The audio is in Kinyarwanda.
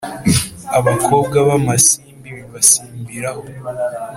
abakobwa b’amasimbi bibasimbiraho